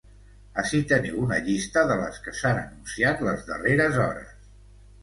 Ací teniu una llista de les que s’han anunciat les darreres hores.